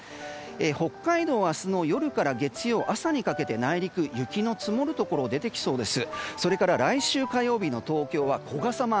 北海道は明日の夜から月曜朝にかけて内陸、雪の積もるところ出てきそうです。